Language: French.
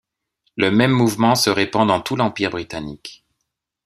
Le même mouvement se répand dans tout l'Empire britannique.